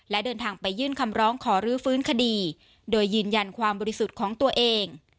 และเดินทางไปยื่นคำร้องขอรื้อฟื้นคดีโดยยืนยันความบริสุทธิ์ของตัวเอง